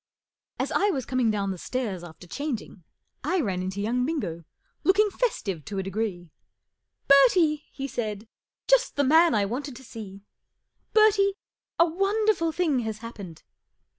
AS I was /A coming d o w n i stairs after changing, I ran into young Bin go, looking festive to a degree, M Bertie! " he said. * 1 Jiist the man I wan ted to see. Ber¬ tie, a won¬ derful thing has hap pened."